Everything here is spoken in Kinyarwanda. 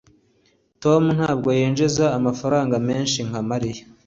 Tom ntabwo yinjiza amafaranga menshi nka Mariya